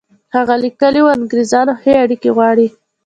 هغه لیکلي وو انګرېزان ښې اړیکې غواړي.